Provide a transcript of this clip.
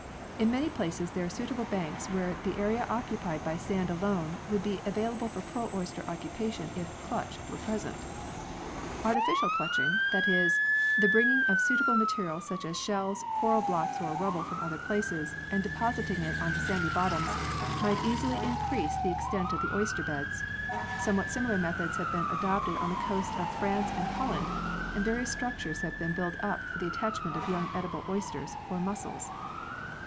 In many places there are suitable banks where the area occupied by sand alone would be available for pearl oyster occupation if " culch " were present. Artificial culching, that is, the bringing of suitable material, such as shells, coral blocks or rubble from other places and depositing it on the sandy bottoms, might easily increase the extent of the oyster beds. Somewhat similar methods have been adopted on the coasts of France and Holland, and various structures have been built up for the attachment of young edible oysters or mussels.